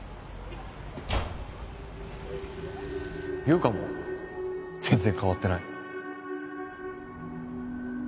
優香も全然変わってない。